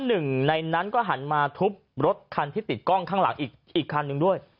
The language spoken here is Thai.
หนึ่งในนั้นก็หันมาทุบรถคันที่ติดกล้องข้างหลังอีกคันหนึ่งด้วย